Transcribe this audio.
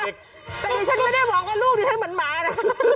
แต่ดิฉันไม่ได้บอกว่าลูกดิฉันเหมือนหมานะ